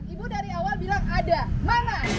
ibu dari awal bilang ada mana